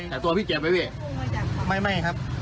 แต่ตัวพี่เจ็บไหมพี่ไม่ครับ